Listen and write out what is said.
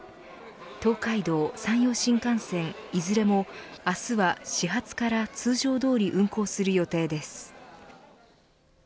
東海道・山陽新幹線、いずれも明日は始発から通常どおり運行する予定です。